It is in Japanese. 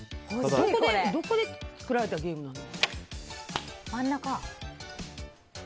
どこで作られたゲームなの？